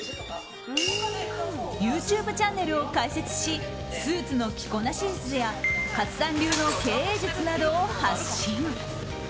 ＹｏｕＴｕｂｅチャンネルを開設しスーツの着こなし術や勝さん流の経営術などを発信。